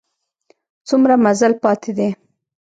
څومره مزل پاته دی؟